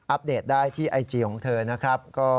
ปเดตได้ที่ไอจีของเธอนะครับ